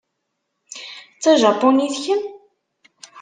D tajapunit kemm?